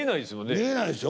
見えないでしょ。